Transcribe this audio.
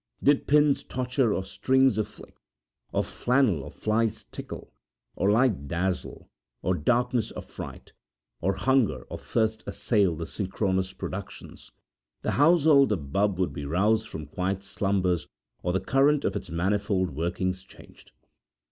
Did pins torture or strings afflict, or flannel or flies tickle, or light dazzle, or darkness affright, or hunger or thirst assail the synchronous productions, the household of Bubb would be roused from quiet slumbers or the current of its manifold workings changed.